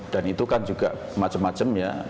dan itu kan juga macam macam ya